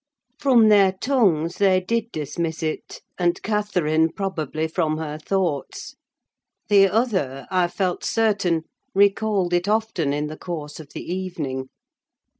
From their tongues they did dismiss it; and Catherine, probably, from her thoughts. The other, I felt certain, recalled it often in the course of the evening.